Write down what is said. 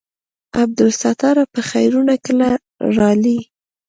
عبدالستاره په خيرونه کله رالې.